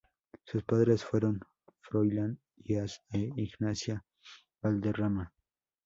Sus padres fueron Froilán Díaz e Ignacia Valderrama.